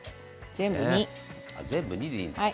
全部２でいいです。